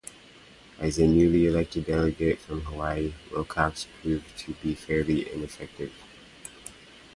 As a newly elected delegate from Hawaii, Wilcox proved to be fairly ineffective.